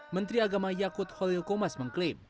menteri agama yakut khalil qomas mengklaim